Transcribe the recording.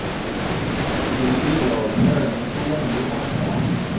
於一九零二年出生于三峡